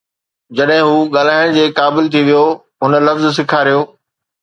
جڏهن هو ڳالهائڻ جي قابل ٿي ويو، هن لفظ سيکاريو